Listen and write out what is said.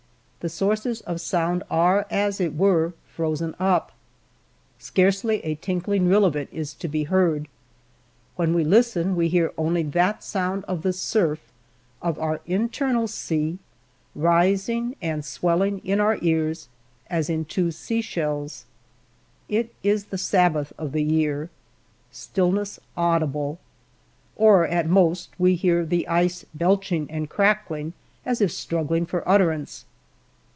thd sources of soimd are, as it were, frozen up. Scarcely a tinkling rill of it is tojbeheard. When we listen, we hear only th^jb^und of the surf of our internal sea rismg^n^^s^elliug in our ears as in two sea s^ttC I^s the sabbath of the year, stillness audlble/OT at most we hear the ice belching and cra^ung, as if struggling for utterance.